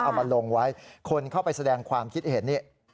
เอามาลงไว้คนเข้าไปแสดงความคิดเห็นนี่